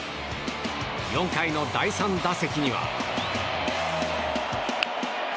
４回の第３打席には。